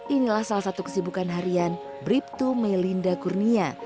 inilah salah satu kesibukan harian brip tu melinda kurnia